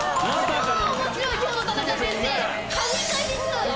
超面白い今日のタナカ先生。